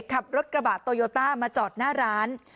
ขับรถกระบะโตโยต้ามาจอดหน้าร้าน